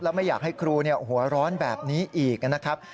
และไม่อยากให้ครูหัวร้อนแบบนี้อีกนะครับ